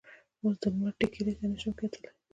اوس د لمر ټیکلي ته نه شم کتلی.